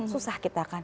susah kita kan